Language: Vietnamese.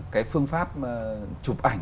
cái phương pháp chụp ảnh